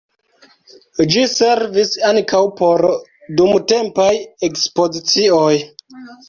Ĝi servis ankaŭ por dumtempaj ekspozicioj.